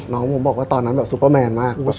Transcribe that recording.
น้องผมบอกว่าตอนนั้นแบบซุปเปอร์แมนมาก